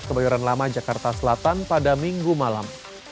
kebayoran lama jakarta selatan pada minggu malam